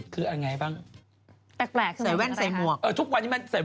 คืออย่างไรบ้าง